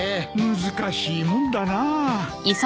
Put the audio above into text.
難しいもんだなあ。